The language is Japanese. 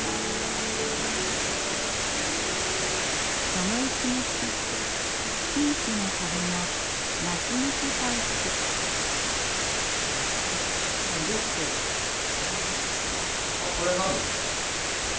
そのうちの一つピンクの壁のあっこれ何ですか？